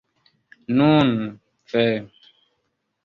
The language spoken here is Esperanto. Nun, ve!